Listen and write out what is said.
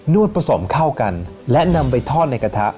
วดผสมเข้ากันและนำไปทอดในกระทะ